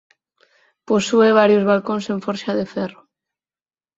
Posúe varios balcóns en forxa de ferro.